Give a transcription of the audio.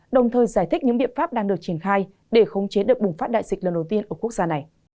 đồng thời giải thích những biện pháp đang được triển khai để khống chế đợt bùng phát đại dịch lần đầu tiên ở quốc gia này